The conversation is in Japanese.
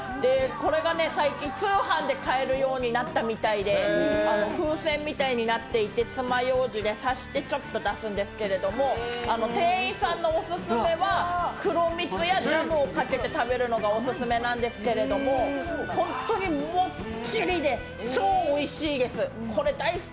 これがね、最近、通販で買えるようになったみたいで、風船みたいになっていてつまようじで刺してちょっと出すんですけれども、店員さんのオススメは黒蜜やジャムをかけて食べるのがオススメなんですけれどもホントにもっちりで、超おいしいです。